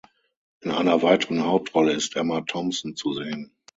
In einer weiteren Hauptrolle ist Emma Thompson zu sehen.